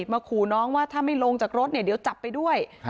มาขู่น้องว่าถ้าไม่ลงจากรถเนี่ยเดี๋ยวจับไปด้วย